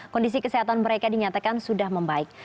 kondisi kesehatan mereka dinyatakan sudah membaik